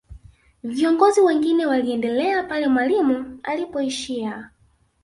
viongozi wengine waliendelea pale mwalimu alipoishia